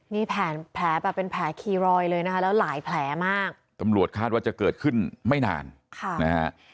นี่แผลแบบเป็นแผลคีรอยเลยนะคะแล้วหลายแผลมากตำรวจคาดว่าจะเกิดขึ้นไม่นานค่ะนะฮะ